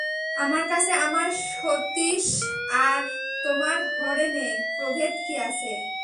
আমার কাছে আমার সতীশ আর তোমার হরেনে প্রভেদ কী আছে।